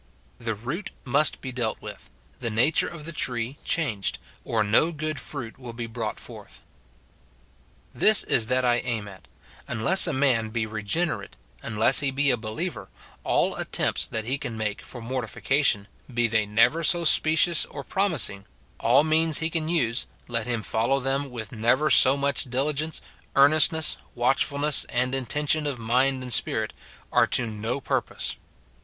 The root must be dealt with, the nature of the tree changed, or no jrood fruit will be brought forth. This is that I aim at : unless a man be regenerate, un less he be a believer, all attempts that he can make for mortification, be they never so specious and promising, — all means he can use, let him follow them with never so much diligence, earnestness, watchfulness, and intention 18 206 MORTIFICATION OF of mind and spirit, — are to no purpose.